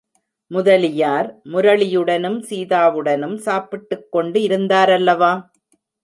முதலியார், முரளியுடனும் சீதாவுடனும் சாப்பிட்டுக் கொண்டு இருந்தாரல்லவா?